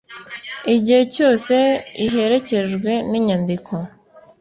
igihe cyose iherekejwe n’inyandiko